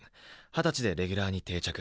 二十歳でレギュラーに定着。